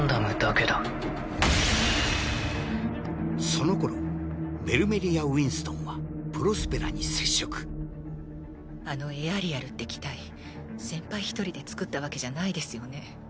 そのころベルメリア・ウィンストンはプロスペラに接触あのエアリアルって機体先輩一人で造ったわけじゃないですよね？